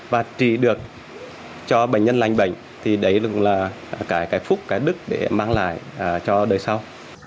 và trị được cho bệnh nhân lành bệnh thì đấy cũng là cái phúc cái đức để mang lại cho đời sau